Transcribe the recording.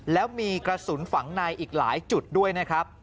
แล้วมีกระสุนฝังในอีกหลายจุดด้วยนะครับ